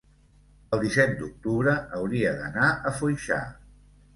el disset d'octubre hauria d'anar a Foixà.